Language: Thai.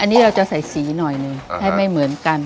อันนี้เราจะใส่สีหน่อยหนึ่งให้ไม่เหมือนกัน